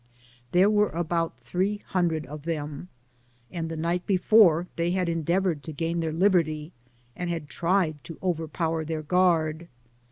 There were about three hundred of them, and the night before, they had endeavoured to gain their liberty, and had tried to overpower .their guard.